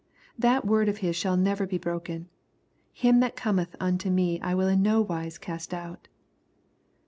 That word of His shall never be broken, " Him that cometh unto me I will in no wise cast out.